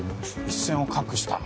一線を画した